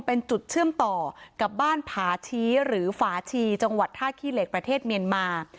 เป็นจุดเชื่อมต่อกับบ้านผาชี้หรือฝาชีจังหวัดท่าขี้เหล็กประเทศเมียนมา